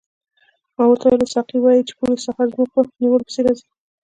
ما ورته وویل ساقي وایي چې پولیس سهار زما په نیولو پسې راځي.